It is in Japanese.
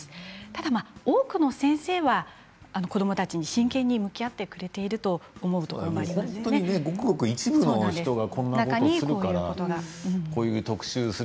ただ多くの先生は子どもたちに真剣に向き合ってくれていると思います。